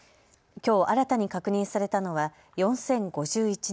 きょう新たに確認されたのは４０５１人。